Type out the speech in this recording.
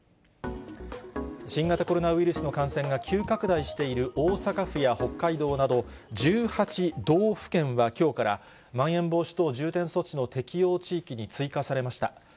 新型コロナウイルスの感染が急拡大している大阪府や北海道など、１８道府県はきょうから、まん延防止等重点措置の適用地域に追加されました。